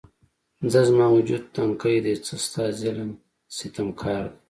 څه زما وجود تنکی دی، څه ستا ظلم ستم کار دی